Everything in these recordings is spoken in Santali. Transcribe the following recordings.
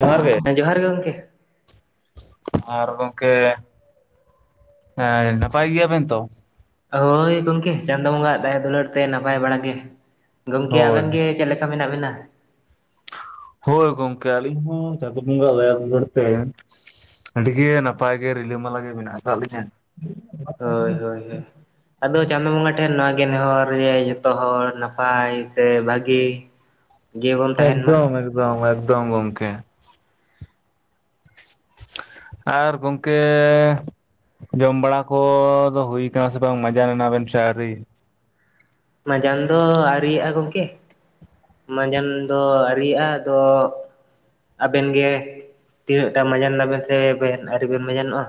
ᱡᱚᱦᱟᱨ ᱜᱮ ᱦᱮᱸ ᱡᱚᱦᱟᱨ ᱜᱮ ᱜᱚᱢᱠᱮ ᱟᱨ ᱜᱚᱝᱠᱮ ᱮᱸ ᱱᱟᱯᱟᱭ ᱜᱮᱭᱟ ᱵᱮᱱ ᱛᱚ? ᱦᱳᱭ ᱜᱚᱢᱠᱮ ᱪᱟᱸᱫᱚ ᱵᱚᱸᱜᱟ ᱟᱜ ᱫᱟᱭᱟ ᱫᱩᱞᱟᱹᱲ ᱛᱮ ᱱᱟᱯᱟᱭ ᱵᱟᱲᱟ ᱜᱮ। ᱜᱚᱝᱠᱮ ᱦᱳᱭ᱾ ᱟᱵᱮᱱ ᱜᱮ ᱪᱮᱫ ᱞᱮᱠᱟ ᱢᱮᱱᱟᱜ ᱵᱮᱱᱟ? ᱦᱳᱭ ᱜᱚᱢᱠᱮ ᱟᱞᱤ ᱦᱚᱸ ᱪᱟᱸᱫᱳ ᱵᱚᱸᱜᱟ ᱟᱜ ᱫᱟᱭᱟ ᱫᱩᱞᱟᱸᱲ ᱛᱮ ᱼᱼ ᱟᱹᱰᱤᱜᱮ ᱱᱟᱯᱟᱭ ᱜᱮ ᱨᱤᱞᱟᱹᱢᱟᱞᱟ ᱜᱮ ᱢᱮᱱᱟᱜ ᱟᱠᱟᱫ ᱞᱤᱧᱟ। ᱦᱳᱭ ᱦᱳᱭ ᱦᱳᱭ ᱟᱫᱚ ᱪᱟᱸᱫᱳ ᱵᱚᱸᱜᱟ ᱴᱷᱮᱱ ᱱᱚᱣᱟᱜᱮ ᱱᱮᱦᱚᱨ ᱡᱮ ᱡᱷᱚᱛᱚ ᱦᱚᱲ ᱱᱟᱯᱟᱭ ᱥᱮ ᱵᱷᱟᱜᱤ ᱼᱼ ᱮᱠᱫᱚᱢ ᱮᱠᱫᱚᱢ ᱮᱠᱫᱚᱢ ᱜᱚᱢᱠᱮ। ᱟᱨ ᱜᱚᱝᱠᱮᱻ ᱡᱚᱢ ᱵᱟᱲᱟ ᱠᱚᱫᱚ ᱦᱩᱭ ᱠᱟᱱᱟ ᱥᱮ ᱵᱟᱝ ᱢᱟᱡᱟᱱ ᱮᱱᱟᱵᱮᱱ ᱥᱮ ᱟᱨᱤ? ᱢᱟᱡᱟᱱ ᱫᱚ ᱟᱹᱭᱨᱤᱭᱟᱜᱼᱟ ᱜᱚᱢᱠᱮ᱾ ᱢᱟᱸᱡᱟᱱ ᱫᱚ ᱟᱹᱨᱤᱭᱟᱜᱼᱟ ᱟᱫᱚ ᱼᱼ ᱟᱵᱮᱱ ᱜᱮ ᱛᱤᱱᱟᱹᱜ ᱴᱟ ᱢᱟᱡᱟᱱ ᱱᱟᱵᱮᱱ ᱥᱮ ᱵᱮᱱ ᱟᱹᱣᱨᱤ ᱵᱮᱱ ᱢᱟᱡᱟᱱᱚᱜᱼᱟ?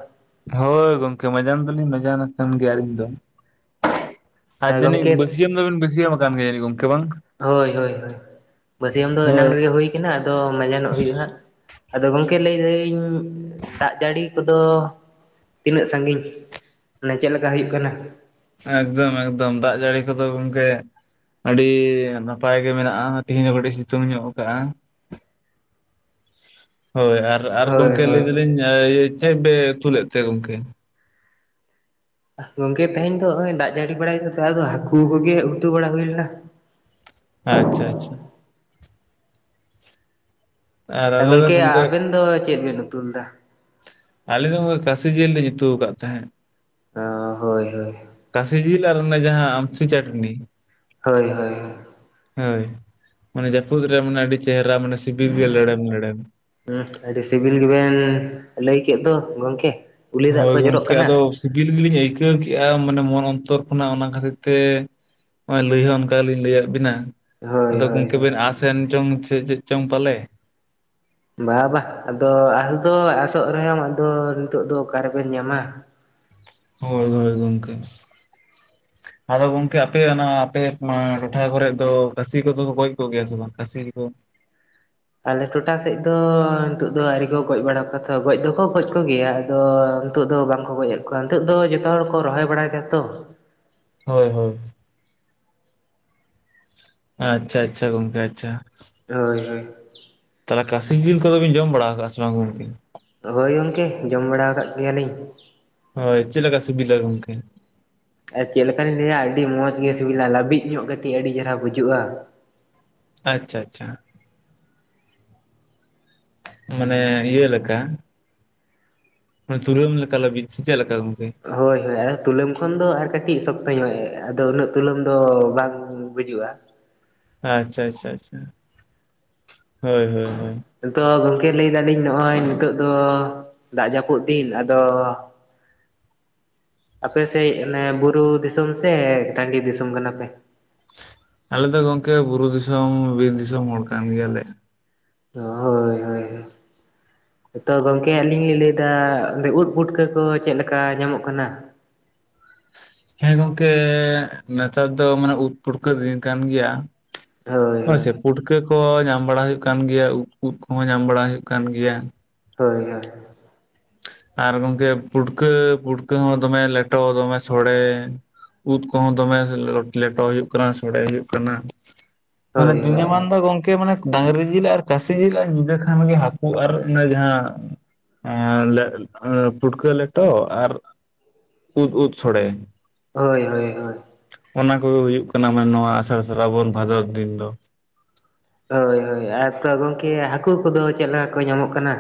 ᱦᱳᱭ ᱜᱚᱢᱠᱮ ᱢᱟᱡᱟᱱ ᱫᱚᱞᱤᱧ ᱢᱟᱡᱟᱱᱟ ᱠᱟᱱ ᱜᱮᱭᱟ ᱟᱞᱤᱧ ᱫᱚ। ᱟᱨ ᱡᱟᱱᱤᱡ ᱜᱚᱢᱠᱮ ᱵᱟᱹᱥᱤᱭᱟᱹᱢ ᱫᱚ ᱰᱮᱱ ᱵᱟᱹᱤᱭᱟᱹᱢ ᱠᱟᱱ ᱜᱮᱭᱟ ᱡᱟᱹᱱᱤᱡ ᱜᱚᱢᱠᱮ᱾ ᱦᱳᱭ ᱦᱳᱭ ᱦᱳᱭ ᱵᱟᱹᱥᱭᱟᱹᱢ ᱫᱚ ᱮᱱᱟᱝ ᱦᱳᱭ ᱨᱮᱜᱮ ᱦᱩᱭ ᱠᱟᱱᱟ ᱟᱫᱚ ᱢᱟᱡᱟᱱᱚᱜ ᱦᱩᱭᱩᱜᱼᱟ ᱦᱟᱸᱜ। ᱟᱫᱚ ᱜᱚᱢᱠᱮ ᱞᱟᱹᱭᱫᱟᱹᱧ ᱫᱟᱜ ᱡᱟᱹᱲᱤ ᱠᱚᱫᱚ ᱼᱼ ᱛᱤᱱᱟᱹᱜ ᱥᱟᱺᱜᱤᱧ ᱢᱟᱱᱮ ᱪᱮᱫ ᱞᱮᱠᱟ ᱦᱩᱭᱩᱜ ᱠᱟᱱᱟ? ᱮᱠᱫᱚᱢ ᱮᱠᱫᱚᱢ ᱫᱟᱜ ᱡᱟᱹᱲᱤ ᱠᱚᱫᱚ ᱜᱚᱢᱠᱮᱼᱼ ᱟᱹᱰᱤ ᱱᱟᱯᱟᱭ ᱜᱮ ᱢᱮᱱᱟᱜᱼᱟ ᱛᱮᱦᱮᱧ ᱦᱚᱸ ᱠᱟᱹᱴᱤᱡ ᱥᱤᱛᱩᱝ ᱧᱚᱜ ᱟᱠᱟᱜᱼᱟ। ᱦᱳᱭ ᱟᱨ ᱟᱨ ᱦᱳᱭ ᱜᱚᱢᱠᱮ ᱞᱟᱹᱭ ᱦᱳᱭ ᱫᱟᱞᱤᱧ ᱪᱮᱫ ᱵᱮ ᱩᱛᱩᱞᱮᱫ ᱛᱮ ᱜᱚᱢᱠᱮ? ᱜᱚᱢᱠᱮ ᱛᱮᱦᱮᱧ ᱫᱚ ᱱᱚᱜᱚᱭ ᱫᱟᱜ ᱡᱟᱹᱲᱤ ᱵᱟᱲᱟᱭᱮᱫ ᱛᱮ ᱟᱫᱚ ᱦᱟᱹᱠᱩ ᱠᱚᱜᱮ ᱩᱛᱩ ᱵᱟᱲᱟ ᱦᱩᱭ ᱞᱮᱱᱟ। ᱟᱪᱪᱷᱟ ᱟᱪᱪᱷᱟ ᱟᱨ ᱟᱞᱮ ᱫᱚ ᱜᱚᱢᱠᱮ ᱜᱚᱝᱠᱮ ᱟᱵᱮᱱ ᱫᱚ ᱪᱮᱫ ᱵᱮᱱ ᱩᱛᱩ ᱞᱮᱫᱟ? ᱟᱞᱤᱧ ᱫᱚ ᱱᱚᱠᱟ ᱠᱟᱥᱤ ᱡᱤᱞᱤᱧ ᱩᱛᱩ ᱟᱠᱟᱫ ᱛᱟᱦᱮᱸᱫ ᱾ ᱚ ᱦᱳᱭ ᱦᱳᱭ ᱾ ᱠᱟᱥᱤ ᱡᱤᱞ ᱟᱨ ᱚᱱᱟ ᱡᱟᱦᱟᱸ ᱟᱢᱥᱤ ᱪᱟᱹᱴᱱᱤ ᱾ ᱦᱳᱭ ᱦᱳᱭ ᱦᱳᱭ ᱢᱟᱱᱮ ᱡᱟᱹᱯᱩᱛ ᱨᱮ ᱢᱟᱱᱮ ᱟᱹᱰᱤ ᱪᱮᱦᱨᱟ ᱢᱟᱱᱮ ᱥᱤᱵᱤᱞ ᱜᱮ ᱞᱮᱬᱮᱢ ᱞᱮᱬᱮᱢ ᱾ ᱦᱚᱸ ᱟᱹᱰᱤ ᱥᱤᱵᱤᱞ ᱜᱮᱵᱮᱱ ᱞᱟᱹᱭ ᱠᱮᱫ ᱫᱚ ᱜᱚᱢᱠᱮ ᱾ ᱦᱳᱭ ᱜᱚᱢᱠᱮ ᱟᱫᱚ ᱥᱤᱵᱤᱞ ᱜᱮᱞᱤᱧ ᱟᱹᱭᱠᱟᱹᱣ ᱠᱮᱜᱼᱟ ᱾ ᱢᱟᱱᱮ ᱢᱚᱱ ᱚᱱᱛᱚᱨ ᱠᱷᱚᱱᱟᱜ ᱚᱱᱟ ᱠᱷᱟᱹᱛᱤᱨ ᱛᱮ ᱾ ᱱᱚᱜᱚᱭ ᱞᱟᱹᱭ ᱦᱚᱸ ᱚᱱᱠᱟ ᱞᱤᱧ ᱞᱟᱹᱭᱟᱫ ᱵᱤᱱᱟ, ᱦᱳᱭ ᱟᱫᱚ ᱦᱳᱭ ᱜᱚᱝᱠᱮ ᱦᱳᱭ ᱵᱮᱱ ᱟᱥ ᱮᱱ ᱪᱚᱝ ᱪᱮᱫ ᱪᱮᱫ ᱪᱚᱝ ᱯᱟᱞᱮ? ᱵᱟᱵᱟ ᱟᱫᱚ ᱟᱥ ᱫᱚ ᱟᱥᱚᱜ ᱨᱮᱦᱚᱸᱢ ᱟᱫᱚ ᱱᱤᱛᱚᱜ ᱫᱚ ᱚᱠᱟᱨᱮᱵᱮᱱ ᱧᱟᱢᱟ! ᱦᱳᱭ ᱦᱳᱭ ᱜᱚᱢᱠᱮ ᱟᱫᱚ ᱜᱚᱝᱠᱮ ᱟᱯᱮ ᱚᱱᱟ ᱟᱯᱮ ᱴᱚᱴᱷᱟ ᱠᱚᱨᱮᱫ ᱫᱚ ᱠᱟᱹᱥᱤ ᱠᱚᱫᱚ ᱠᱚ ᱜᱚᱡ ᱠᱚᱜᱮᱭᱟ ᱥᱮ ᱵᱟᱝ ᱠᱟᱹᱥᱤ ᱠᱚ? ᱟᱞᱮ ᱴᱚᱴᱷᱟ ᱥᱮᱫ ᱫᱚ ᱱᱤᱛᱚᱜ ᱫᱚ ᱟᱹᱣᱨᱤ ᱠᱚ ᱜᱚᱡ ᱵᱟᱲᱟ ᱠᱚ ᱛᱚ ᱾ ᱜᱚᱡ ᱫᱚᱠᱚ ᱜᱚᱡ ᱠᱚᱜᱮᱭᱟ ᱟᱫᱚ! ᱱᱤᱛᱚᱜ ᱫᱚ ᱵᱟᱝᱠᱚ ᱜᱚᱡᱮᱫ ᱠᱚᱣᱟ ᱱᱤᱛᱚᱜ ᱫᱚ ᱡᱚᱛᱚ ᱦᱚᱲ ᱠᱚ ᱨᱚᱦᱚᱭ ᱵᱟᱲᱟᱭᱮᱫᱟ ᱛᱚ ᱾ ᱦᱳᱭ ᱦᱳᱭ ᱟᱪᱪᱷᱟ ᱟᱪᱪᱷᱟ ᱜᱚᱢᱠᱮ ᱟᱪᱪᱷᱟ ᱾ ᱦᱳᱭ ᱦᱳᱭ ᱛᱟᱦᱚᱞᱮ ᱠᱟᱥᱤ ᱡᱤᱞ ᱠᱚᱫᱚᱵᱤᱱ ᱡᱚᱢ ᱵᱟᱲᱟ ᱟᱠᱟᱫᱼᱟ ᱥᱮ ᱵᱟᱝ ᱜᱚᱢᱠᱮ? ᱦᱳᱭ ᱜᱚᱢᱠᱮ ᱡᱚᱢ ᱵᱟᱲᱟ ᱟᱠᱟᱫ ᱜᱮᱭᱟᱞᱤᱧ ᱾ ᱦᱳᱭ ᱪᱮᱫᱮ ᱞᱮᱠᱟ ᱥᱩᱵᱤᱫᱽᱞᱟ ᱜᱚᱢᱠᱮ? ᱟᱨ ᱪᱮᱫ ᱞᱮᱠᱟᱤᱧ ᱞᱟᱹᱭᱟ ᱟᱹᱰᱤ ᱢᱚᱸᱡᱽ ᱜᱮ ᱥᱤᱵᱤᱞᱟ, ᱞᱟᱹᱵᱤᱫ ᱧᱚᱜ ᱠᱟᱹᱴᱤᱡ ᱟᱹᱰᱤ ᱪᱮᱦᱨᱟ ᱵᱩᱡᱩᱜᱼᱟ ᱾ ᱟᱪᱪᱷᱟ ᱟᱪᱪᱷᱟ ᱾ ᱢᱟᱱᱮ ᱤᱭᱟᱹ ᱞᱮᱠᱟ? ᱢᱟᱱᱮ ᱛᱩᱞᱟᱹᱢ ᱞᱮᱠᱟ ᱞᱟᱵᱤᱫ, ᱥᱮ ᱪᱮᱫ ᱞᱮᱠᱟ ᱜᱚᱢᱠᱮ? ᱦᱳᱭ ᱦᱳᱭ ᱛᱩᱞᱟᱹᱢ ᱠᱷᱚᱱ ᱫᱚ ᱟᱨ ᱠᱟᱹᱴᱤᱡ ᱥᱚᱠᱛᱚ ᱧᱚᱜ ᱟᱫᱚ ᱩᱱᱟᱹᱜ ᱛᱩᱞᱟᱹᱢ ᱫᱚ ᱵᱟᱝ ᱾ ᱦᱤᱡᱩᱜᱼᱟ ᱾ ᱟᱪᱪᱷᱟ ᱟᱪᱪᱷᱟ ᱟᱪᱪᱷᱟ ᱦᱳᱭ ᱦᱳᱭ ᱦᱳᱭ ᱾ ᱟᱛᱚ ᱜᱚᱝᱠᱮ ᱞᱟᱹᱭ ᱫᱟᱞᱤᱧ ᱱᱚᱜᱼᱚᱭ ᱱᱤᱛᱚᱜ ᱫᱚ ᱫᱟᱜ ᱡᱟᱹᱯᱩᱫ ᱫᱤᱱ ᱟᱫᱚ! [unintelligible] ᱟᱯᱮᱥᱮᱫ ᱚᱱ ᱵᱩᱨᱩ ᱫᱤᱥᱚᱢ ᱥᱮ ᱴᱟᱺᱰᱤ ᱫᱤᱥᱚᱢ ᱠᱟᱱᱟ ᱯᱮ? ᱟᱞᱮ ᱫᱚ ᱜᱚᱝᱠᱮ ᱵᱩᱨᱩ ᱫᱤᱥᱚᱢ ᱵᱤᱨ ᱫᱤᱥᱚᱢ ᱦᱚᱲ ᱠᱟᱱ ᱜᱮᱭᱟᱞᱮ ᱾ ᱦᱳᱭ ᱦᱳᱭ ᱦᱳᱭ ᱾ ᱛᱚ ᱜᱚᱝᱠᱮ ᱟᱹᱞᱤᱧ ᱞᱤᱧ ᱞᱟᱹᱭ ᱮᱫᱟ ᱚᱸᱰᱮ ᱩᱫ ᱯᱷᱩᱴᱠᱟᱹ ᱠᱚ ᱪᱮᱫ ᱞᱮᱠᱟ ᱧᱟᱢᱚᱜ ᱠᱟᱱᱟ? ᱦᱮᱸ ᱜᱚᱝᱠᱮ ᱱᱮᱛᱟᱨ ᱫᱚ ᱢᱟᱱᱮ ᱩᱫ ᱯᱩᱴᱠᱟᱹ ᱫᱤᱱ ᱠᱟᱱ ᱜᱮᱭᱟ ᱾ ᱦᱳᱭ ᱥᱮ ᱯᱩᱴᱠᱟᱹ ᱠᱚᱦᱚᱸ ᱧᱟᱢ ᱵᱟᱲᱟ ᱦᱩᱭᱩᱜ ᱠᱟᱱ ᱜᱮᱭᱟ, ᱩᱫ ᱠᱚᱦᱚᱸ ᱧᱟᱢ ᱵᱟᱲᱟ ᱦᱩᱭᱩᱜ ᱠᱟᱱ ᱜᱮᱭᱟ ᱾ ᱦᱳᱭ ᱦᱳᱭ ᱟᱨ ᱜᱚᱝᱠᱮ ᱯᱩᱴᱠᱟᱹ ᱯᱩᱴᱠᱟᱹ ᱦᱚᱸ ᱫᱚᱢᱮ ᱞᱮᱴᱚ ᱫᱚᱢᱮ ᱥᱚᱲᱮ ᱾ ᱩᱫ ᱠᱚᱦᱚᱸ ᱫᱚᱢᱮ ᱞᱮᱴᱚ ᱦᱩᱭᱩᱜ ᱠᱟᱱᱟ ᱥᱚᱲᱮ ᱦᱩᱭᱩᱜ ᱠᱟᱱᱟ ᱾ ᱢᱟᱱᱮ ᱦᱳᱭ ᱦᱳᱭ ᱫᱤᱱᱟᱹᱢᱟᱱ ᱫᱚ ᱜᱚᱝᱠᱮ ᱢᱟᱱᱮ ᱰᱟᱹᱝᱨᱤ ᱡᱤᱞ ᱟᱨ ᱠᱟᱹᱥᱤ ᱡᱤᱞ ᱟᱨ ᱧᱤᱫᱟᱹ ᱠᱷᱟᱱᱜᱮ ᱦᱟᱹᱠᱩ ᱟᱨ ᱚᱱᱟ ᱡᱟᱦᱟᱸ ᱟᱨ ᱯᱩᱴᱠᱟᱹ ᱞᱮᱴᱚ ᱟᱨ ᱩᱫ ᱩᱫ ᱥᱚᱲᱮ ᱾ ᱦᱳᱭ ᱦᱳᱭ ᱦᱳᱭ ᱾ ᱚᱱᱟ ᱠᱚᱜᱮ ᱦᱩᱭᱩᱜ ᱠᱟᱱᱟ ᱢᱟᱱᱮ, ᱱᱚᱣᱟ ᱟᱥᱟᱲ ᱥᱨᱟᱵᱚᱱ ᱵᱷᱟᱫᱚᱨ ᱫᱤᱱ ᱫᱚ ᱾ ᱦᱳᱭ ᱦᱳᱭ ᱟ ᱛᱚ ᱜᱚᱢᱠᱮ ᱦᱟᱹᱠᱩ ᱠᱚᱫᱚ ᱪᱮᱫ ᱞᱮᱠᱟ ᱠᱚ ᱧᱟᱢᱚᱜ ᱠᱟᱱᱟ?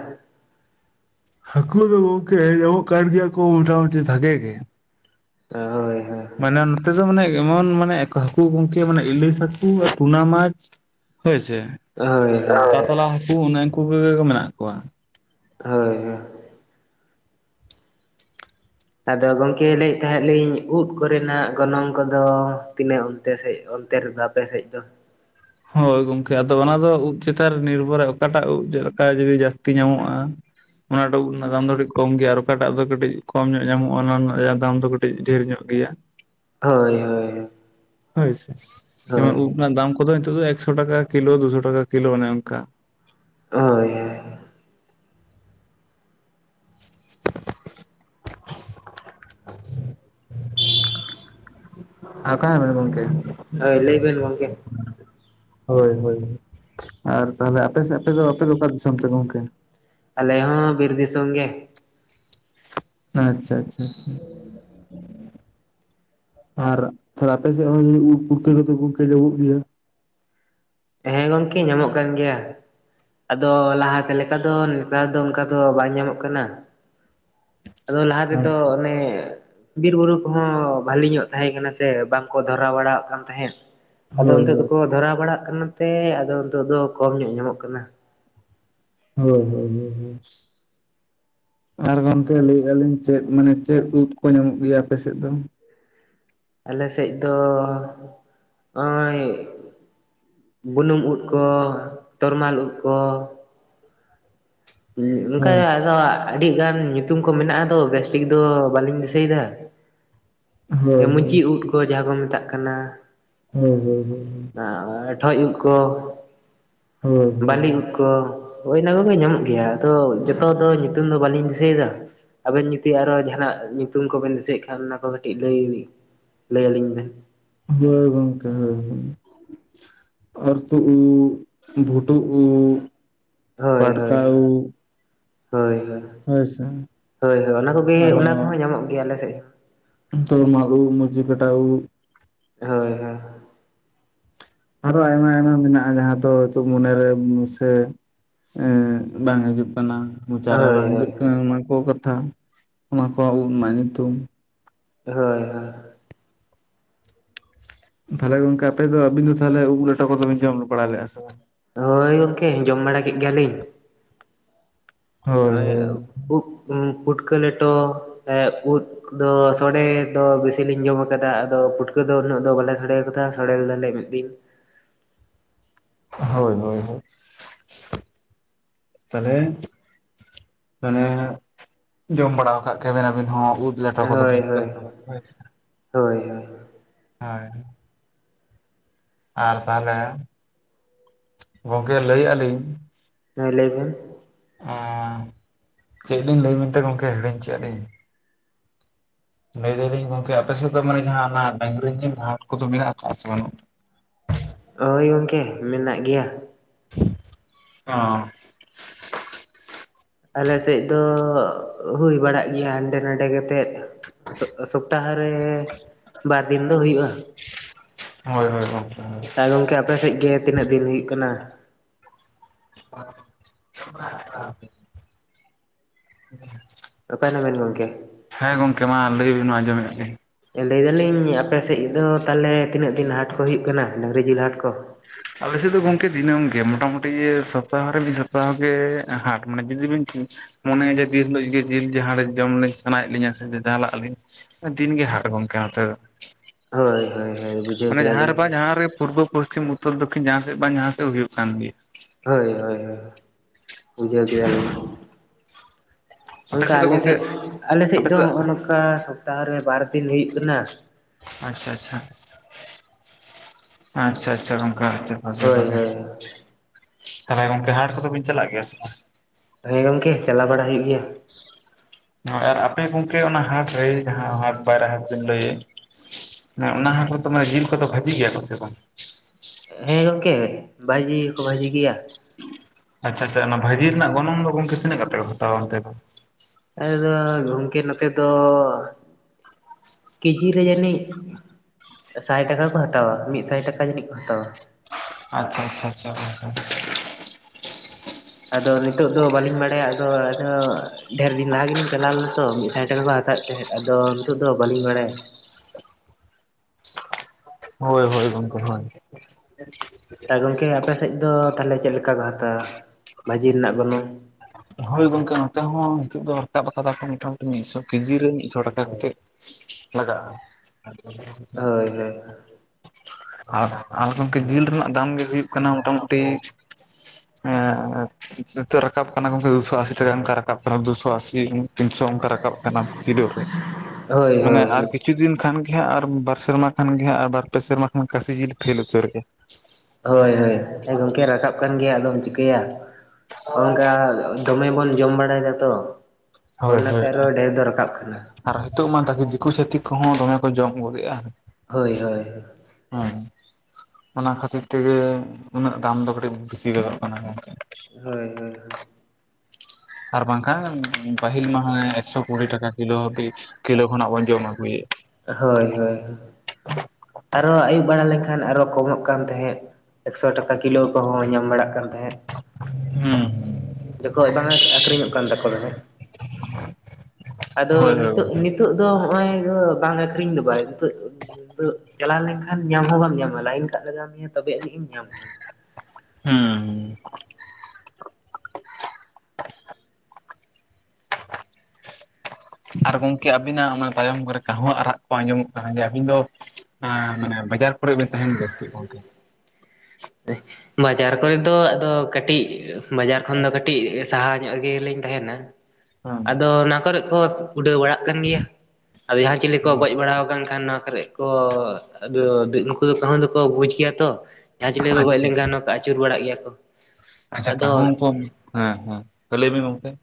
ᱦᱟᱹᱠᱩ ᱫᱚ ᱜᱚᱢᱠᱮ ᱧᱟᱢᱚᱜ ᱠᱟᱱ ᱜᱮᱭᱟ ᱠᱩ ᱢᱚᱴᱟᱼᱢᱩᱴᱤ ᱵᱷᱟᱜᱮ ᱜᱮ ᱾ ᱦᱳᱭ ᱦᱳᱭ ᱢᱟᱱᱮ ᱱᱚᱛᱮ ᱫᱚ ᱢᱟᱱᱮ ᱮᱢᱚᱱ ᱢᱟᱱᱮ ᱦᱟᱹᱠᱩ ᱜᱚᱝᱠᱮ ᱢᱟᱱᱮ ᱤᱞᱤᱥ ᱦᱟᱹᱠᱩ ᱴᱩᱱᱟ ᱢᱟᱪᱷ ᱦᱳᱭᱥᱮ ᱦᱳᱭ ᱦᱳᱭ ᱠᱟᱛᱞᱟ ᱦᱟᱹᱠᱩ ᱚᱱᱮ ᱩᱱᱠᱩ ᱠᱚᱜᱮ ᱠᱚ ᱢᱮᱱᱟᱜ ᱠᱚᱣᱟ ᱾ ᱦᱳᱭ ᱦᱳᱭ ᱟᱫᱚ ᱜᱚᱝᱠᱮ ᱞᱟᱹᱭᱮᱫ ᱛᱟᱦᱮᱸ ᱞᱤᱧ ᱩᱫᱽ ᱠᱚᱨᱮᱱᱟᱜ ᱜᱚᱱᱚᱝ ᱠᱚᱫᱚ ᱛᱤᱱᱟᱹᱜ ᱚᱱᱛᱮ ᱥᱮᱡ ᱚᱱᱛᱮ ᱨᱮᱫᱚ? ᱟᱯᱮ ᱥᱮᱫ ᱫᱚ ᱦᱳᱭ ᱜᱚᱝᱠᱮ ᱟᱫᱚ ᱚᱱᱟ ᱫᱚ ᱩᱫᱽ ᱪᱮᱛᱟᱱ ᱨᱮ ᱱᱤᱨᱵᱷᱚᱨᱟᱭ ᱚᱠᱟᱴᱟᱜ ᱩᱫᱽ ᱪᱮᱫ ᱞᱮᱠᱟ ᱡᱩᱫᱤ ᱡᱟᱹᱥᱛᱤ ᱧᱟᱢᱚᱜᱼᱟ ᱚᱱᱟ ᱴᱟᱜ ᱤᱫᱽ ᱨᱮᱱᱟᱜ ᱫᱟᱢ ᱫᱚ ᱠᱟᱹᱴᱤᱡ ᱠᱚᱢ ᱜᱮᱭᱟ ᱟᱨ ᱚᱠᱟᱴᱟᱜ ᱫᱚ ᱠᱟᱹᱴᱤᱡ ᱠᱚᱢ ᱧᱚᱜ ᱧᱟᱢᱚᱜᱼᱟ ᱚᱱᱟ ᱨᱮᱱᱟᱜ ᱫᱟᱢ ᱫᱚ ᱠᱟᱹᱴᱤᱡ ᱰᱷᱮᱨ ᱧᱚᱜ ᱜᱮᱭᱟ ᱦᱳᱭ ᱦᱳᱭ ᱦᱳᱭ ᱦᱳᱭᱥᱮ ᱡᱮᱢᱚᱱ ᱩᱫᱽ ᱨᱮᱱᱟᱜ ᱫᱟᱢ ᱠᱚᱫᱚ ᱱᱤᱛᱚᱜ ᱫᱚ ᱮᱠᱥᱚ ᱴᱟᱠᱟ ᱠᱤᱞᱳ ᱫᱩᱥᱚ ᱴᱟᱠᱟ ᱠᱤᱞᱳ ᱚᱱᱮ ᱚᱱᱠᱟ ᱾ ᱦᱳᱭ ᱦᱳᱭ ᱟᱠᱟᱭ ᱱᱟᱵᱮᱱ ᱜᱚᱝᱠᱮ? ᱦᱳᱭ ᱞᱮᱭ ᱵᱮᱱ ᱜᱚᱝᱠᱮ ᱦᱳᱭ ᱦᱳᱭ ᱾ ᱟᱨ ᱛᱟᱦᱚᱞᱮ ᱟᱯᱮ ᱥᱮᱫ ᱟᱯᱮ ᱫᱚ ᱟᱯᱮ ᱫᱚ ᱚᱠᱟ ᱫᱤᱥᱚᱢ ᱛᱮ ᱜᱚᱝᱠᱮ? ᱟᱞᱮ ᱦᱚᱸ ᱵᱤᱨ ᱫᱤᱥᱚᱢ ᱜᱮ ᱾ ᱟᱪᱪᱷᱟ ᱟᱪᱪᱷᱟ ᱟᱪᱪᱷᱟ ᱟᱨ ᱛᱟᱦᱚᱞᱮ ᱟᱯᱮ ᱥᱮᱫ ᱦᱚᱸ ᱩᱫᱽ ᱯᱩᱴᱠᱟᱹ ᱠᱚᱫᱚ ᱜᱚᱝᱠᱮ ᱧᱟᱜᱚᱜ ᱜᱮᱭᱟ? ᱦᱮᱸ ᱜᱚᱝᱠᱮ ᱧᱟᱢᱚᱜ ᱠᱟᱱ ᱜᱮᱭᱟ ᱾ ᱟᱫᱚ ᱞᱟᱦᱟᱛᱮ ᱞᱮᱠᱟ ᱫᱚ ᱱᱮᱛᱟᱨ ᱫᱚ ᱚᱱᱠᱟ ᱫᱚ ᱵᱟᱝ ᱧᱟᱢᱚᱜ ᱠᱟᱱᱟ [inaudible] ᱟᱫᱚ ᱞᱟᱦᱟ ᱟᱨ ᱛᱮᱫᱚ ᱚᱱᱮᱼ ᱵᱤᱨ ᱵᱩᱨᱩ ᱠᱚᱦᱚᱸ ᱵᱷᱟᱞᱤ ᱧᱚᱜ ᱛᱟᱦᱮᱸ ᱠᱟᱱᱟ ᱥᱮ ᱵᱟᱝ ᱠᱚ ᱫᱷᱚᱨᱟᱣ ᱵᱟᱲᱟᱣᱟᱜ ᱠᱟᱱ ᱛᱟᱦᱮᱸᱫ ᱟᱫᱚ ᱦᱳᱭ ᱱᱤᱛᱳᱜ ᱦᱳᱭ ᱫᱚᱠᱚ ᱫᱷᱚᱨᱟᱣ ᱵᱟᱲᱟᱣᱟᱜ ᱠᱟᱱᱟ ᱛᱮ ᱟᱫᱚ ᱱᱤᱛᱳᱜ ᱫᱚ ᱠᱚᱢ ᱧᱚᱜ ᱧᱟᱢᱚᱜ ᱠᱟᱱᱟ ᱦᱳᱭ ᱦᱳᱭ ᱦᱳᱭ ᱦᱳᱭ ᱟᱨ ᱜᱚᱝᱠᱮ ᱞᱟᱹᱭᱮᱼᱟ ᱞᱤᱧ ᱪᱮᱫ ᱢᱟᱱᱮ ᱪᱮᱫ ᱩᱫᱽ ᱠᱚ ᱧᱟᱢᱚᱜ ᱜᱮᱭᱟ ᱟᱯᱮᱥᱮᱫ ᱫᱚ? ᱟᱞᱮᱥᱮᱫ ᱫᱚ ᱱᱚᱜᱼᱚᱭ ᱵᱩᱱᱩᱢ ᱩᱫᱽ ᱠᱚ ᱛᱚᱨᱢᱟᱞ ᱩᱽᱫ ᱠᱚ [inaudible] ᱚᱱᱠᱟ ᱦᱳᱭ ᱟᱫᱚ ᱟᱹᱰᱤ ᱜᱟᱱ ᱧᱩᱛᱩᱢ ᱠᱚ ᱢᱮᱱᱟᱜᱼᱟ ᱟᱫᱚ ᱵᱮᱥᱴᱷᱤᱠ ᱫᱚ ᱵᱟᱹᱞᱤᱧ ᱫᱤᱥᱟᱹᱭᱮᱫᱟ ᱦᱳᱭ ᱦᱮᱸ ᱦᱳᱭ ᱢᱩᱪᱤ ᱩᱫᱽ ᱠᱚ ᱡᱟᱦᱟᱸ ᱠᱚ ᱢᱮᱛᱟᱜ ᱠᱟᱱᱟ ᱦᱳᱭ ᱦᱳᱭ ᱦᱳᱭ ᱦᱳᱭ ᱟᱨ ᱴᱷᱚᱡ ᱩᱫᱽ ᱠᱚ, ᱦᱳᱭ ᱦᱳᱭ ᱵᱟᱹᱞᱤ ᱦᱳᱭ ᱩᱫᱽ ᱠᱚ ᱦᱳᱭ ᱚᱱᱟ ᱠᱚᱜᱮ ᱧᱟᱢᱚᱜ ᱜᱮᱭᱟ ᱟᱫᱚ ᱡᱚᱛᱚ ᱫᱚ ᱧᱩᱛᱩᱢ ᱫᱚ ᱵᱟᱹᱞᱤᱧ ᱫᱤᱥᱟᱹᱭᱮᱫᱟ ᱾ ᱟᱵᱮᱱ ᱡᱩᱫᱤ ᱟᱨᱚ ᱡᱟᱦᱱᱟᱜ ᱧᱩᱛᱩᱢ ᱠᱚᱵᱮᱱ ᱫᱤᱥᱟᱹᱭᱮᱫ ᱠᱷᱟᱱ ᱚᱱᱟ ᱠᱚᱜᱮ ᱴᱤᱡ ᱞᱟᱹᱭ ᱞᱟᱹᱭᱟᱞᱤᱧ ᱵᱮᱱ᱾ ᱦᱳᱭ ᱜᱚᱝᱠᱮ ᱦᱳᱭ ᱚᱨᱛᱩᱫᱽ ᱩᱫᱽ, ᱵᱷᱩᱴᱩᱽ ᱩᱫᱽ, ᱦᱳᱭ ᱦᱳᱭ ᱦᱳᱭ ᱦᱳᱭ ᱦᱳᱭ ᱦᱳᱭ ᱦᱳᱭ ᱚᱱᱟ ᱠᱚᱜᱮ ᱚᱱᱟ ᱟᱨᱚ ᱠᱚᱦᱚᱸ ᱧᱟᱢᱚᱜ ᱜᱮᱭᱟ ᱟᱞᱮ ᱥᱮᱫ ᱦᱚᱸ᱾ ᱛᱚᱨᱢᱟᱞ ᱩᱫᱽ, ᱢᱩᱪᱤᱠᱟᱴᱟ ᱩᱫᱽ, ᱦᱳᱭ ᱦᱳᱭ ᱟᱨᱦᱚᱸ ᱟᱭᱢᱟ ᱟᱭᱢᱟ ᱢᱮᱱᱟᱜᱼᱟ ᱡᱟᱦᱟᱸ ᱫᱚ ᱱᱤᱛᱚᱜ ᱢᱚᱱᱮᱨᱮ ᱥᱮᱼᱼ ᱮᱸᱜ ᱵᱟᱝ ᱦᱤᱡᱩᱜ ᱠᱟᱱᱟ᱾ ᱢᱚᱪᱟᱨᱮ ᱦᱳᱭ ᱵᱟᱝ ᱦᱤᱡᱩᱜ ᱦᱳᱭ ᱠᱟᱱᱟ ᱚᱱᱟᱠᱚ ᱠᱟᱛᱷᱟ ᱚᱱᱟ ᱠᱚ ᱩᱫᱽ ᱨᱮᱱᱟᱜ ᱧᱩᱛᱩᱢ᱾ ᱦᱳᱭ ᱦᱳᱭ ᱛᱟᱦᱚᱞᱮ ᱜᱚᱝᱠᱮ ᱟᱯᱮ ᱫᱚ ᱟᱵᱤᱱ ᱫᱚ ᱛᱟᱦᱚᱞᱮ ᱩᱫᱽ ᱞᱮᱴᱚ ᱠᱚᱫᱚᱵᱤᱱ ᱡᱚᱢ ᱵᱟᱲᱟ ᱞᱮᱫᱼᱟ ᱥᱮ ᱵᱟᱝ? ᱦᱳᱭ ᱜᱚᱝᱠᱮ ᱡᱚᱢ ᱵᱟᱲᱟ ᱠᱮᱫ ᱜᱮᱭᱟᱞᱤᱧ, ᱦᱳᱭ ᱳᱭᱼᱼ ᱦᱳᱭ ᱩᱵᱽ ᱯᱩᱴᱠᱟᱹ ᱞᱮᱴᱚ ᱩᱫᱽᱼᱼ ᱫᱚ ᱥᱚᱲᱮ ᱫᱚ ᱵᱮᱥᱤᱞᱤᱧ ᱡᱚᱢ ᱠᱟᱫᱟ ᱟᱫᱚ ᱯᱩᱴᱠᱟᱹ ᱫᱚ ᱩᱱᱟᱹᱜ ᱫᱚ ᱵᱟᱞᱮ ᱥᱚᱲᱮ ᱠᱟᱫᱟ ᱥᱚᱲᱮ ᱞᱮᱫᱟᱞᱮ ᱢᱤᱫ ᱫᱤᱱ᱾ ᱦᱳᱭ ᱦᱳᱭ ᱦᱳᱭ ᱛᱟᱞᱦᱮᱼᱼ ᱢᱟᱱᱮ ᱡᱚᱢ ᱵᱟᱲᱟ ᱠᱟᱜ ᱜᱮᱭᱟᱵᱮᱱ ᱟᱵᱮᱱ ᱦᱚᱸ ᱩᱫᱽᱼᱼ ᱞᱮᱴᱟ ᱠᱚᱫᱚ ᱦᱳᱭ ᱯᱩᱴᱠᱟᱹ ᱦᱳᱭ ᱞᱮᱴᱚ ᱠᱚᱫᱚ ᱦᱳᱭᱥᱮ, ᱦᱳᱭ [unintelligible] ᱟᱨ ᱛᱟᱦᱚᱞᱮ ᱜᱚᱝᱠᱮ ᱞᱟᱹᱭᱮᱫ ᱟᱞᱤᱧ ᱦᱮ ᱞᱟᱹᱭ‌ ᱵᱤᱱ, ᱚᱸᱻ ᱪᱮᱫ ᱞᱤᱧ ᱞᱟᱹᱭ ᱢᱮᱱᱛᱮ ᱜᱚᱝᱠᱮ ᱦᱤᱲᱤᱧ ᱠᱮᱭᱟᱜ ᱞᱤᱧ᱾ ᱞᱟᱹᱭ ᱫᱟᱞᱤᱧ ᱜᱚᱝᱠᱮ ᱟᱯᱮ ᱥᱮᱫ ᱫᱚ ᱢᱟᱱᱮ ᱡᱟᱦᱟᱸ ᱚᱱᱟ ᱰᱟᱝᱨᱤᱡᱤᱞ ᱦᱟᱴ ᱠᱚᱫᱚ ᱢᱮᱱᱟᱜ ᱟᱠᱟᱟᱜ ᱥᱮ ᱵᱟᱹᱱᱩᱜ? ᱦᱳᱭ ᱜᱚᱢᱠᱮ ᱢᱮᱱᱟᱜ ᱜᱮᱭᱟ᱾ [unintelligible] ᱚ ᱟᱞᱮᱥᱮᱫ ᱫᱚ ᱦᱩᱭ ᱵᱟᱲᱟᱜ ᱜᱮᱭᱟ ᱦᱟᱸᱱᱰᱮ ᱱᱟᱰᱮ ᱠᱟᱛᱮᱫ ᱥᱚᱯᱛᱟᱦᱚ ᱨᱮ ᱵᱟᱨ ᱫᱤᱱ ᱫᱚ ᱦᱩᱭᱩᱜᱼᱟ᱾ ᱦᱳᱭ ᱦᱳᱭ ᱜᱚᱝᱠᱮ ᱦᱳᱭ᱾ ᱟᱨ ᱜᱚᱢᱠᱮ ᱟᱯᱮ ᱥᱮᱫ ᱜᱮ ᱛᱤᱱᱟᱹᱜ ᱫᱤᱱ ᱦᱩᱭᱩᱜ ᱠᱟᱱᱟ? [unintelligible] [inaudible] ᱚᱠᱟᱭ ᱮᱱᱟᱵᱤᱱ ᱜᱚᱢᱠᱮ? ᱦᱮᱸ ᱜᱚᱢᱠᱮ ᱢᱟ ᱞᱟᱹᱭᱵᱤᱱ ᱢᱟ ᱟᱡᱸᱚᱢᱮᱫᱼᱟ ᱞᱤᱧ᱾ ᱞᱟᱹᱭ ᱫᱟᱞᱤᱧ ᱟᱯᱮ ᱥᱮᱫ ᱫᱚ ᱛᱟᱦᱚᱞᱮ ᱛᱤᱱᱟᱹᱜ ᱫᱤᱱ ᱦᱟᱴ ᱠᱚ ᱦᱩᱭᱩᱜ ᱠᱟᱱᱟ ᱰᱟᱹᱝᱨᱤ ᱡᱤᱞ ᱦᱟᱴ ᱠᱚ? ᱟᱞᱮ ᱥᱮᱫ ᱫᱚ ᱜᱚᱢᱠᱮ ᱫᱤᱱᱟᱹᱢ ᱜᱮ ᱢᱚᱴᱟᱢᱩᱴᱤ ᱥᱚᱯᱛᱟᱦᱚ ᱨᱮ ᱢᱤᱫ ᱥᱚᱯᱛᱟᱦᱚ ᱜᱮ ᱦᱟᱴ᱾ ᱢᱟᱱᱮ ᱡᱩᱫᱤ ᱵᱤᱱ ᱢᱚᱱᱮᱭᱮᱫᱟ ᱫᱤᱱ ᱦᱤᱞᱳᱜ ᱜᱮ ᱡᱤᱞ ᱡᱟᱦᱟᱸᱨᱮ ᱡᱚᱢ ᱥᱟᱱᱟᱭᱮᱫ ᱞᱤᱧᱟᱹ ᱥᱮ ᱪᱟᱦᱟᱞᱟᱜ ᱟᱞᱤᱧ ᱫᱤᱱ ᱜᱮ ᱦᱟᱴ ᱜᱚᱢᱠᱮ ᱱᱚᱛᱮ ᱫᱚ᱾ ᱦᱳᱭ ᱦᱳᱭ ᱦᱳᱭ ᱵᱩᱡᱷᱟᱹᱣ ᱢᱟᱱᱮ ᱡᱟᱦᱟᱸ ᱨᱮ ᱠᱮᱫᱟᱞᱤᱧ ᱵᱟᱝ ᱡᱟᱦᱟᱸ ᱨᱮ ᱯᱩᱨᱵᱚ ᱯᱚᱥᱪᱤᱢ ᱩᱛᱛᱚᱨ ᱫᱚᱠᱷᱤᱱ ᱡᱟᱦᱟᱸ ᱥᱮᱫ ᱵᱟᱝ ᱡᱟᱦᱟᱸ ᱥᱮᱫ ᱦᱩᱭᱩᱜ ᱠᱟᱱ ᱜᱮᱭᱟ᱾ ᱦᱳᱭ ᱦᱳᱭ ᱦᱳᱭ ᱵᱩᱡᱷᱟᱹᱣ ᱠᱮ ᱫᱟᱞᱤᱧ, ᱟᱯᱮ ᱚᱝᱠᱟ ᱫᱚ ᱟᱞᱮ ᱜᱚᱝᱠᱮ ᱥᱮᱫ ᱟᱞᱮ ᱥᱮᱫ ᱫᱚ ᱦᱚᱜᱟᱜ ᱱᱚᱝᱠᱟ ᱥᱚᱯᱛᱟᱦᱚ ᱨᱮ ᱵᱟᱨ ᱫᱤᱱ ᱦᱩᱭᱩᱜ ᱠᱟᱱᱟ᱾ ᱟᱪᱪᱷᱟ ᱟᱪᱪᱷᱟ ᱟᱪᱪᱷᱟ ᱟᱪᱪᱷᱟ ᱚᱝᱠᱟ ᱵᱷᱟᱜᱮ ᱦᱳᱭ ᱵᱷᱟᱜᱮ ᱦᱳᱭ ᱛᱟᱦᱚᱞᱮ ᱜᱚᱢᱠᱮ ᱦᱟᱴ ᱠᱚᱫᱚ ᱵᱤᱱ ᱪᱟᱞᱟᱜ ᱜᱮᱭᱟ ᱥᱮ ᱵᱟᱝ? ᱦᱮᱸ ᱜᱚᱝᱠᱮ ᱪᱟᱞᱟᱣ ᱵᱟᱲᱟ ᱦᱩᱭᱩᱜ ᱜᱮᱭᱟ᱾ ᱟᱨ ᱟᱯᱮᱦᱚ ᱜᱚᱢᱠᱮ ᱚᱱᱟ ᱦᱟᱴ ᱨᱮ ᱡᱟᱦᱟ ᱦᱟᱴ ᱵᱟᱨᱮ [unintelligible] ᱞᱟᱹᱭᱮᱫ ᱚᱱᱟ ᱦᱟᱴ ᱨᱮᱫᱚ ᱢᱟᱱᱮ ᱡᱤᱞ ᱠᱚᱫᱚ ᱵᱷᱟᱹᱡᱤ ᱜᱮᱭᱟ ᱠᱚᱥᱮ ᱵᱟᱝ? ᱦᱮᱸ ᱜᱚᱢᱠᱮ ᱵᱷᱟᱹᱡᱤ ᱦᱚ ᱠᱚ ᱵᱷᱟᱹᱡᱤ ᱜᱮᱭᱟ᱾ ᱟᱪᱪᱷᱟ ᱟᱪᱪᱷᱟ ᱚᱱᱟ ᱵᱷᱟᱹᱡᱤ ᱨᱮᱱᱟᱜ ᱜᱚᱱᱚᱝ ᱫᱚ ᱜᱚᱝᱠᱮ ᱛᱤᱱᱟᱹᱜ ᱠᱟᱛᱮ ᱠᱚ ᱦᱟᱛᱟᱣᱟ ᱚᱱᱛᱮ ᱫᱚ? ᱟᱞᱮ ᱫᱚ ᱜᱚᱢᱠᱮ ᱱᱚᱛᱮ ᱫᱚ ᱠᱮᱡᱤ ᱨᱮ ᱡᱟᱹᱱᱤᱡ ᱥᱟᱭ ᱴᱟᱠᱟ ᱠᱚ ᱦᱟᱛᱟᱣᱟ ᱢᱤᱫ ᱥᱟᱭ ᱴᱟᱠᱟ ᱡᱟᱱᱤᱡ ᱠᱚ ᱦᱟᱛᱟᱣᱟ ᱟᱪᱷᱟ ᱟᱪᱷᱟ ᱟᱪᱷᱟ ᱟᱪᱷᱟ ᱟᱫᱚ ᱱᱤᱛᱳ ᱫᱚ ᱵᱟᱹᱞᱤᱧ ᱵᱟᱲᱟᱭᱟ ᱟᱫᱚ ᱟᱫᱚ ᱰᱷᱹᱨ ᱫᱤᱱ ᱞᱟᱦᱟ ᱜᱮᱞᱤᱧ ᱪᱟᱞᱟᱣ ᱞᱮᱱᱟ ᱛᱚ ᱢᱤᱫ ᱥᱟᱭ ᱴᱟᱠᱟ ᱠᱚ ᱦᱟᱛᱟᱣᱮᱫ ᱛᱟᱦᱮᱸᱫ᱾ ᱟᱫᱚ ᱱᱤᱛᱳᱜ ᱫᱚ ᱵᱟᱞᱤᱧ ᱵᱟᱲᱟᱭᱟ᱾ ᱦᱳᱭ ᱦᱳᱭ ᱜᱚᱝᱠᱮ ᱦᱳᱭ ᱛᱟ ᱜᱚᱝᱠᱮ ᱟᱯᱮᱥᱮᱫ ᱫᱚ ᱛᱟᱦᱚᱞᱮ ᱪᱮᱫ ᱞᱮᱠᱟ ᱠᱚ ᱦᱟᱛᱟᱣᱟ ᱵᱷᱟᱹᱡᱤ ᱨᱮᱱᱟᱜ ᱜᱚᱱᱚᱝ? ᱦᱳᱭ ᱜᱚᱝᱠᱮ ᱱᱚᱛᱮ ᱦᱚᱸ ᱱᱤᱛᱚᱜ ᱫᱚ ᱨᱟᱠᱟᱵ ᱠᱟᱫᱟ ᱠᱚ ᱢᱚᱴᱟᱢᱩᱴᱤ ᱢᱤᱫᱥᱚ ᱠᱮᱡᱤ ᱨᱮ ᱢᱤᱫ ᱥᱚ ᱴᱟᱠᱟ ᱠᱟᱛᱮ ᱞᱟᱜᱟᱜ ᱟ᱾ ᱦᱳᱭ ᱦᱳᱭ ᱟᱨ ᱟᱨ ᱜᱚᱢᱠᱮ ᱡᱤᱞ ᱨᱮᱱᱟᱜ ᱫᱟᱢ ᱜᱮ ᱦᱩᱭᱩᱜ ᱠᱟᱱᱟ ᱢᱳᱴᱟᱢᱩᱴᱤ ᱦᱮᱸ ᱱᱤᱛᱚᱜ ᱨᱟᱠᱟᱵ ᱠᱟᱱᱟ ᱜᱚᱝᱠᱮ ᱮᱠᱥᱚ ᱟᱥᱤ ᱴᱟᱠᱟ ᱚᱱᱠᱟ ᱨᱟᱠᱟᱵ ᱠᱟᱱᱟ ᱫᱩᱥᱚ ᱟᱥᱤ ᱛᱤᱱᱥᱚ ᱚᱱᱠᱟ ᱨᱟᱠᱟᱵ ᱠᱟᱱᱟ ᱠᱷᱮᱞᱳ ᱨᱮ, ᱦᱳᱭ ᱢᱟᱱᱮ ᱦᱳᱭ ᱟᱨ ᱠᱤᱪᱷᱩ ᱠᱤᱪᱷᱩ ᱫᱤᱱ ᱠᱷᱟᱱ ᱜᱮ ᱦᱟᱜ ᱟᱨ ᱵᱟᱨ ᱥᱮᱨᱢᱟ ᱠᱷᱟᱱ ᱜᱮ ᱦᱟᱜ ᱟᱨ ᱵᱟᱨ ᱯᱮ ᱥᱮᱨᱢᱟ ᱠᱷᱟᱱ ᱠᱟᱥᱤ ᱡᱤᱞ ᱯᱷᱮᱞ ᱩᱛᱟᱹᱨ ᱜᱮᱭᱟ᱾ ᱦᱳᱭ ᱦᱳᱭ ᱜᱚᱝᱠᱮ ᱨᱟᱠᱟᱵ ᱠᱟᱱ ᱜᱮᱭᱟ ᱟᱫᱚᱢ ᱪᱤᱠᱟᱹᱭᱟ ᱱᱚᱝᱠᱟ ᱫᱚᱢᱮ ᱵᱚᱱ ᱡᱚᱢ ᱵᱟᱲᱟᱭ ᱫᱟᱛᱚ ᱦᱳᱭ ᱦᱳᱭ ᱟᱨ ᱱᱤᱛᱚᱜ ᱢᱟ ᱟᱱᱠᱟᱜᱤ ᱫᱤᱠᱩ ᱪᱷᱟᱛᱤᱠ ᱠᱚᱦᱚᱸ ᱫᱚᱢᱮ ᱠᱚ ᱡᱚᱢ ᱜᱚᱜ ᱮᱫᱟ᱾ ᱦᱳᱭ ᱦᱳᱭ ᱦᱚ ᱚᱱᱟ ᱠᱷᱟᱹᱛᱤᱨ ᱛᱮᱜᱮ ᱩᱱᱟᱹᱜ ᱫᱟᱢ ᱫᱚ ᱠᱟᱹᱴᱤᱡ ᱵᱮᱥᱤ ᱜᱚᱫᱚᱜ ᱠᱟᱱᱟ ᱜᱚᱢᱠᱮ ᱦᱳᱭ ᱦᱳᱭ ᱦᱳᱭ ᱟᱨ ᱵᱟᱝᱠᱷᱟᱱ ᱯᱟᱹᱦᱤᱞ ᱢᱟᱦᱟ ᱮᱠᱥᱚ ᱠᱩᱲᱤ ᱴᱟᱠᱟ ᱠᱤᱞᱳ ᱦᱟᱹᱵᱤᱡ ᱠᱤᱞᱳ ᱠᱷᱚᱱᱟᱜ ᱵᱚᱱ ᱡᱚᱢ ᱟᱹᱜᱩᱭᱮᱫ᱾ ᱦᱳᱭ ᱦᱳᱭ, ᱟᱨᱚ ᱟᱹᱭᱩᱵ ᱵᱟᱲᱟ ᱞᱮᱱᱠᱷᱟᱱ ᱟᱨᱚ ᱠᱚᱢᱚᱜ ᱠᱟᱱ ᱛᱟᱦᱮᱸᱫ᱾ ᱮᱠᱥᱚ ᱴᱟᱠᱟ ᱠᱤᱞᱳ ᱠᱚᱦᱚᱸ ᱧᱟᱢ ᱵᱟᱲᱟᱜ ᱠᱟᱱ ᱛᱟᱦᱮᱸᱫ᱾ ᱦᱩᱸ ᱡᱚᱠᱷᱚᱡ ᱵᱟᱝᱟ ᱟᱠᱷᱨᱤᱧᱚᱜ ᱠᱟᱱ ᱛᱟᱠᱚ ᱛᱟᱦᱮᱸᱜ ᱟᱫᱚ ᱦᱩᱸ᱾ ᱦᱳᱭ ᱦᱳᱭ ᱱᱤᱛᱚᱜ ᱜᱚᱝᱠᱮ᱾ ᱱᱤᱛᱳᱜ ᱫᱚ ᱱᱚᱜᱼᱚᱭ ᱵᱟᱝ ᱟᱹᱠᱷᱨᱤᱧ ᱫᱚ ᱵᱟᱭ ᱱᱤᱛᱚᱜ ᱪᱟᱞᱟᱣ ᱞᱮᱱᱠᱷᱟᱱ ᱧᱟᱢ ᱦᱚᱸ ᱵᱟᱢ ᱧᱟᱢᱟ ᱞᱟᱭᱤᱱ ᱠᱟᱜ ᱞᱟᱜᱟᱣ ᱢᱮᱭᱟ ᱛᱚᱵᱮ ᱟᱹᱱᱤᱡ ᱮᱢ ᱧᱟᱢᱟ᱾ ᱦᱩᱸ ᱟᱨ ᱜᱚᱢᱠᱮ ᱟᱵᱤᱱᱟᱜ ᱚᱱᱟ ᱛᱟᱭᱚᱢ ᱠᱚᱨᱮ ᱠᱟᱦᱩ ᱨᱟᱜ ᱠᱚ ᱟᱸᱡᱚᱢᱚᱜ ᱠᱟᱱᱟ ᱡᱮ ᱟᱹᱵᱤᱱ ᱫᱚ ᱢᱟᱱᱮ ᱵᱟᱡᱟᱨ ᱠᱚᱨᱮ ᱵᱮᱱ ᱛᱟᱦᱮᱱ ᱜᱮᱭᱟ ᱥᱮᱪᱮᱫ ᱜᱚᱝᱠᱮ ᱵᱟᱡᱟᱨ ᱠᱚᱨᱮ ᱫᱚ ᱟᱫᱚ ᱠᱟᱹᱴᱤᱡ ᱵᱟᱡᱟᱨ ᱠᱷᱚᱱ ᱫᱚ ᱠᱟᱹᱴᱤᱡ ᱥᱟᱦᱟ ᱧᱚᱜ ᱜᱮᱞᱤᱧ ᱛᱟᱦᱮᱱᱟ ᱦᱮᱸ᱾ ᱟᱫᱚ ᱚᱱᱟ ᱠᱚᱨᱮ ᱠᱚ ᱩᱰᱟᱹᱣ ᱵᱟᱲᱟᱜ ᱠᱟᱱ ᱜᱮᱭᱟ ᱟᱫᱚ ᱡᱟᱦᱟᱸ ᱪᱤᱞᱤ ᱠᱚ ᱚ ᱜᱚᱡ ᱵᱟᱲᱟ ᱟᱠᱟᱱ ᱠᱷᱟᱱ ᱱᱚᱣᱟ ᱠᱚᱨᱮ [unintelligible] ᱩᱱᱠᱩ ᱫᱚ ᱠᱟᱹᱦᱩ ᱫᱚᱠᱚ ᱵᱩᱡᱽ ᱜᱮᱭᱟ ᱛᱚ ᱡᱟᱦᱟᱸ ᱪᱤᱞᱤ ᱠᱚ ᱜᱚᱡ ᱟᱪᱪᱷᱟ ᱟᱪᱪᱷᱟ᱾ ᱞᱮᱱᱠᱷᱟᱱ ᱟᱹᱪᱩᱨ ᱵᱟᱲᱟᱜ ᱜᱮᱭᱟ ᱠᱚ ᱟᱪᱪᱷᱟ ᱟᱫᱚ ᱠᱟᱹᱦᱩ ᱠᱚ ᱦᱮᱸ ᱦᱮᱸ ᱞᱟᱹᱭ ᱵᱤᱱ ᱜᱚᱝᱠᱮᱺ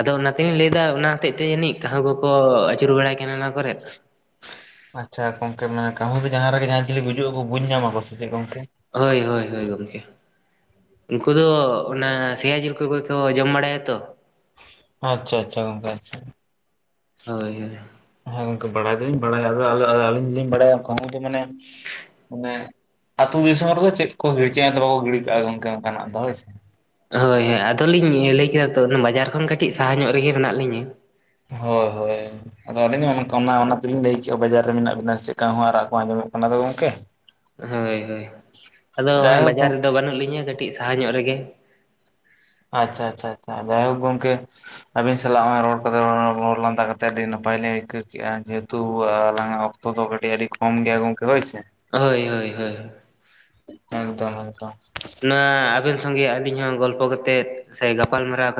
ᱟᱫᱚ ᱚᱱᱟ ᱛᱮᱞᱤᱤᱧ ᱞᱟᱹᱭᱫᱟ ᱚᱱᱟ ᱦᱚᱛᱮᱜ ᱛᱮ ᱡᱟᱹᱱᱤᱡ ᱠᱟᱹᱦᱩ ᱠᱚᱠᱚ ᱟᱹᱪᱩᱨ ᱵᱟᱲᱟᱭ ᱠᱟᱱᱟ ᱚᱱᱟ ᱠᱚᱨᱮᱫ ᱟᱪᱪᱷᱟ ᱜᱚᱝᱠᱮ ᱢᱟᱱᱮ ᱠᱟᱹᱦᱩ ᱫᱚ ᱡᱟᱦᱟᱸ ᱨᱮᱜᱮ ᱡᱟᱦᱟᱸ ᱪᱤᱞᱤ ᱜᱩᱡᱩᱜ ᱟᱠᱚ ᱵᱩᱡ ᱧᱟᱢᱟ ᱠᱚ ᱥᱮ ᱪᱮᱫ ᱜᱚᱝᱠᱮ? ᱦᱳᱭ ᱦᱳᱭ ᱜᱚᱢᱠᱮ᱾ ᱩᱱᱠᱩ ᱫᱚ ᱚᱱᱟ ᱥᱮᱭᱟ ᱡᱤᱞ ᱠᱚᱜᱮ ᱠᱚ ᱡᱚᱢ ᱵᱟᱲᱟᱭᱟ ᱛᱚ᱾ ᱟᱪᱪᱷᱟ ᱟᱪᱪᱷᱟ ᱜᱚᱝᱠᱮ ᱟᱪᱪᱷᱟ᱾ ᱦᱳᱭ ᱦᱳᱭ ᱦᱮᱸ ᱜᱚᱝᱠᱮ ᱵᱟᱲᱟᱭ ᱫᱚᱞᱤᱧ ᱵᱟᱲᱟᱭᱟ ᱟᱹᱞᱤᱧ ᱫᱚᱞᱤᱧ ᱵᱟᱲᱟᱭᱟ ᱠᱟᱸᱦᱩ ᱫᱚ ᱢᱟᱱᱮ ᱢᱟᱱᱮ ᱟᱹᱛᱩ ᱫᱤᱥᱚᱢ ᱨᱮᱫᱚ ᱪᱮᱫ ᱠᱚ ᱜᱤᱲᱤ ᱪᱮᱛ ᱦᱚᱸ ᱵᱟᱠᱚ ᱜᱤᱲᱤ ᱠᱟᱜᱼᱟ ᱜᱚᱝᱠᱮ ᱚᱱᱠᱟᱱᱟᱜ ᱫᱚ ᱦᱳᱭᱥᱮ ᱦᱳᱭ ᱦᱳᱭ ᱟᱫᱚ ᱞᱤᱧ ᱞᱟᱹᱭ ᱠᱮᱫᱟ ᱛᱚ ᱵᱟᱡᱟᱨ ᱠᱷᱚᱱ ᱠᱟᱹᱴᱤᱡ ᱥᱟᱦᱟ ᱧᱚᱜ ᱨᱮᱜᱮ ᱢᱮᱱᱟᱜ ᱞᱤᱧᱟᱹ᱾ ᱦᱳᱭ ᱦᱳᱭ ᱟᱫᱚ ᱟᱹᱞᱤᱧ ᱦᱚᱸ ᱚᱱᱟ ᱛᱮᱞᱤᱧ ᱞᱟᱹᱭ ᱠᱮᱫᱼᱟ ᱵᱟᱡᱟᱨ ᱨᱮ ᱢᱮᱱᱟᱜ ᱵᱮᱤᱱᱟ ᱪᱮᱫᱠᱟ ᱦᱚᱸ ᱟᱨᱟᱜ ᱠᱚ ᱟᱸᱡᱚᱢᱚᱜ ᱠᱟᱱᱟ ᱜᱚᱝᱠᱮ᱾ ᱦᱳᱭ ᱦᱳᱭ ᱟᱫᱚ ᱡᱟᱭᱦᱳᱠ ᱵᱟᱡᱟᱨ ᱜᱚᱝᱠᱮ ᱨᱮᱫᱚ ᱵᱟᱹᱱᱩᱜ ᱞᱤᱧᱟᱹ ᱠᱟᱹᱴᱤᱡ ᱥᱟᱦᱟ ᱧᱚᱜ ᱨᱮᱜᱮ᱾ ᱟᱪᱪᱷᱟ ᱟᱪᱪᱷᱟ ᱟᱪᱪᱷᱟ ᱡᱟᱭᱦᱳᱠ ᱜᱚᱝᱠᱮ᱾ ᱟᱹᱵᱤᱱ ᱥᱟᱞᱟᱜ ᱦᱚᱸᱜᱚᱭ ᱨᱚᱲ ᱠᱟᱛᱮ ᱨᱚᱲ ᱞᱟᱸᱫᱟ ᱠᱟᱛᱮ ᱟᱹᱰᱤ ᱱᱟᱯᱟᱭ ᱞᱮ ᱟᱹᱭᱠᱟᱹᱣ ᱠᱮᱫᱼᱟ ᱡᱮᱦᱮᱛᱩ ᱟᱞᱟᱝᱟᱜ ᱚᱠᱛᱚ ᱫᱚ ᱟᱹᱰᱤ ᱠᱚᱢ ᱜᱮᱭᱟ ᱜᱚᱝᱠᱮ ᱦᱚᱭ ᱥᱮ ᱦᱳᱭ ᱦᱳᱭ ᱦᱳᱭ ᱮᱠᱫᱚᱢ ᱮᱠᱫᱚᱢ ᱱᱚᱣᱟ ᱟᱵᱮᱱ ᱥᱚᱸᱜᱮ ᱟᱹᱞᱤᱧ ᱦᱚᱸ ᱜᱚᱞᱯᱚ ᱠᱟ ᱠᱟᱛᱮᱫ ᱥᱮ ᱜᱟᱯᱟᱞᱢᱟᱨᱟᱣ ᱠᱟᱛᱮ